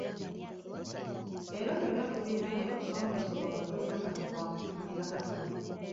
Leero byonna tubirina naye okusoomooza kwe tulina kati kwa kubifunira akatale.